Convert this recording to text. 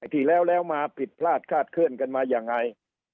ที่แล้วแล้วมาผิดพลาดคาดเคลื่อนกันมายังไง